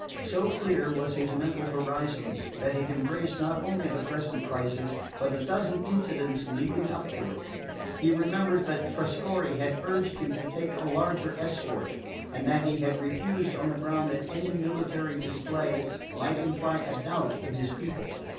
So clear was his mental horizon that it embraced not only the present crisis, but a dozen incidents leading up to it. He remembered that Trescorre had urged him to take a larger escort, and that he had refused on the ground that any military display might imply a doubt of his people.